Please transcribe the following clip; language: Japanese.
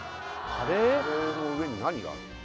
カレーの上に何がある？